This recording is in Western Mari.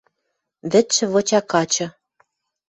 Вӹдшӹ выча качы